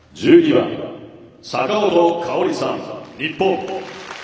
１２番坂本花織さん、日本。